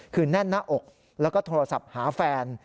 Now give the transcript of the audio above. คือแน่นหน้าอกแล้วก็โทรศัพท์หาแฟน